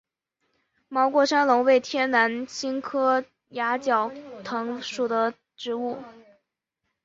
毛过山龙为天南星科崖角藤属的植物。